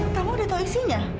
kamu udah tahu isinya